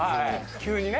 急に。